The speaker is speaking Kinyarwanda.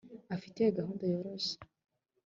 afite gahunda yoroshye